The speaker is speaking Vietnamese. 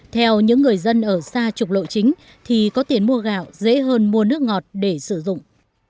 theo những người dân ở xa trục lộ chính thì có tiền mua gạo dễ hơn mua nước ngọt để sử dụng